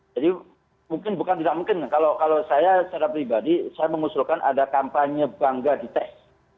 jadi mungkin bukan tidak mungkin kalau saya secara pribadi saya mengusulkan ada kampanye bangga di tes